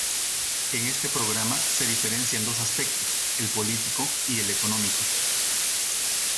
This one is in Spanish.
En este programa se diferencian dos aspectos: el político y el económico.